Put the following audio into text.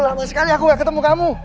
lama sekali aku gak ketemu kamu